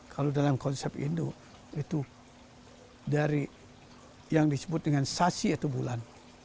kalau dalam konsep indo itu dari yang disebut dengan sasi atau bulan